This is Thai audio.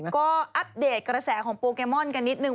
ก็อัปเดตกระแสของโปเกมอนกันนิดนึง